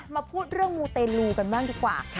มาพูดเรื่องมูเตลูกันบ้างดีกว่า